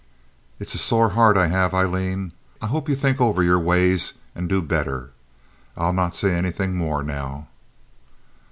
"It's a sore heart I have, Aileen. I hope ye'll think over your ways and do better. I'll not say anythin' more now."